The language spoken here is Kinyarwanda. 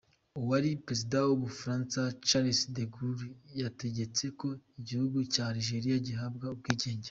Uwari perezida w’ubufaransa Charles de Gaulle yatagetse ko igihugu cya Algeria gihabwa ubwigenge.